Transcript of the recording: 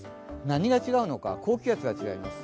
何が違うのか、高気圧が違います。